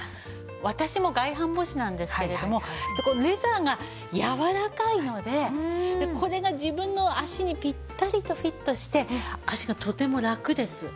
私も外反母趾なんですけれどもレザーがやわらかいのでこれが自分の足にピッタリとフィットして足がとてもラクです。